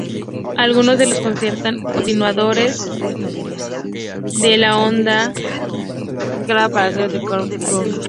Algunos les consideran continuadores de la onda iniciada por la banda de hardcore Shoulder